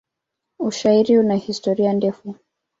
Ushairi una historia ndefu.